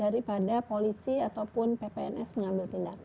daripada polisi ataupun ppns mengambil tindakan